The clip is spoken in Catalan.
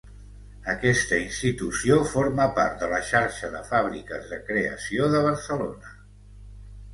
Aquesta institució forma part de la xarxa de Fàbriques de Creació de Barcelona.